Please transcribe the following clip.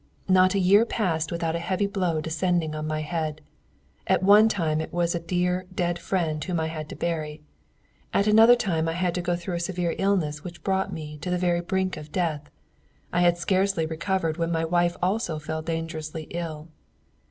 Not a year passed without a heavy blow descending on my head. At one time it was a dear dead friend whom I had to bury; at another time I had to go through a severe illness which brought me to the very brink of death; I had scarcely recovered when my wife also fell dangerously ill.